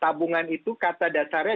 tabungan itu kata dasarnya